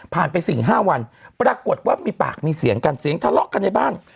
ไป๔๕วันปรากฏว่ามีปากมีเสียงกันเสียงทะเลาะกันในบ้าน